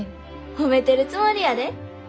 褒めてるつもりやで。